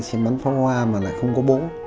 xem bắn phó hoa mà lại không có bố